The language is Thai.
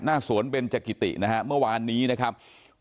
หน้าสวนเบนจักิตินะฮะเมื่อวานนี้นะครับ